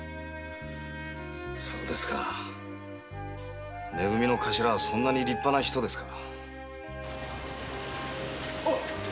そうですかめ組の頭はそんな立派な人ですか。